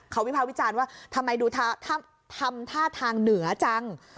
เขาวิภาควิจารณ์ว่าทำไมดูทำท่าทางเหนือจัง